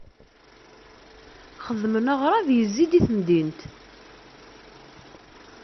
Xedmen aɣrab yezzi-d i temdint.